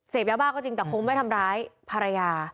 ยาบ้าก็จริงแต่คงไม่ทำร้ายภรรยา